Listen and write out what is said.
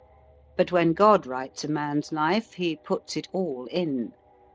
But when God writes a man's life he puts it all in.